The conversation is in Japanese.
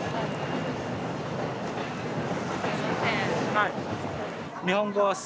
はい。